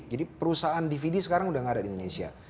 jadi perusahaan dvd sekarang sudah enggak ada di indonesia